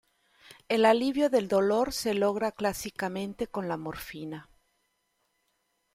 El alivio del dolor se logra clásicamente con la morfina.